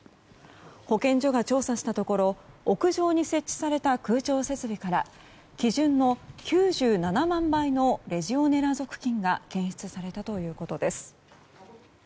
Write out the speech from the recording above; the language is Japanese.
保健所が調査したところ屋上に設置された空調設備から基準の９７万倍のレジオネラ属菌が検出されたということです。